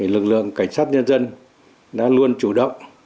lực lượng cảnh sát nhân dân đã luôn chủ động